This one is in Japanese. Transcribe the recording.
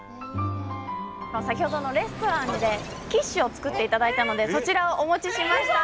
先ほどのレストランでキッシュを作っていただいたのでそちらをお持ちしました。